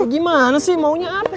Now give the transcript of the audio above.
gimana sih maunya apa